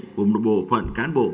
của một bộ phận cán bộ công ty